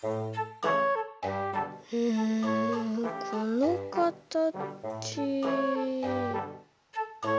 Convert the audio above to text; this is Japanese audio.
うんこのかたち。